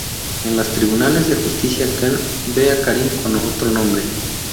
En los tribunales de justicia, Kern ve a Karin con otro hombre.